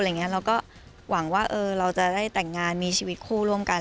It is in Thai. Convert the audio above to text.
เราก็หวังว่าเราจะได้แต่งงานมีชีวิตคู่ร่วมกัน